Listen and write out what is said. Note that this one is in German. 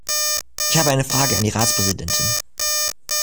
Ich habe eine Frage an die Ratspräsidentin.